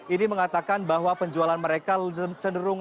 ini mengatakan bahwa penjualan mereka cenderung